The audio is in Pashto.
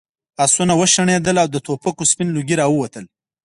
آسونه وشڼېدل او له ټوپکو سپین لوګی راووت.